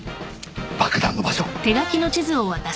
爆弾の場所